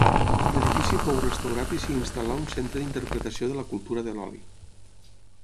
L'edifici fou restaurat i s'hi instal·là un centre d'interpretació de la cultura de l'oli.